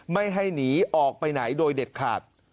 ไม่ให้หนีออกไปไหนโดยเด็ดขาด